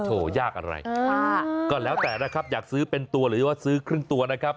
ยากอะไรก็แล้วแต่นะครับอยากซื้อเป็นตัวหรือว่าซื้อครึ่งตัวนะครับ